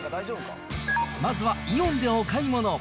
まずはイオンでお買い物。